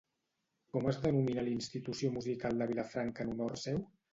Com es denomina l'institució musical de Vilafranca en honor seu?